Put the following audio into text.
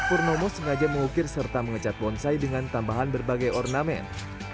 purnomo sengaja mengukir serta mengecat bonsai dengan tambahan berbagai ornamen